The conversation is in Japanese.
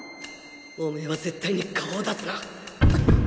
オメーは絶対に顔を出すな！